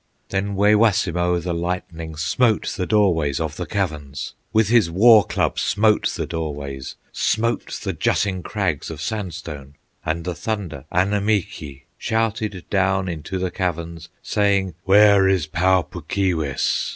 Then Waywassimo, the lightning, Smote the doorways of the caverns, With his war club smote the doorways, Smote the jutting crags of sandstone, And the thunder, Annemeekee, Shouted down into the caverns, Saying, "Where is Pau Puk Keewis!"